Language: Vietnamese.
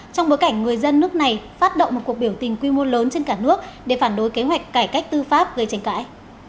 trong bối cảnh người dân nước này phát động một cuộc biểu tình quy mô lớn trên cả nước để phản đối kế hoạch cải cách tư pháp gây tranh cãi